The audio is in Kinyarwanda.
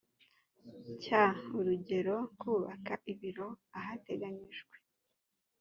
cya urugero kubaka ibiro ahateganyijwe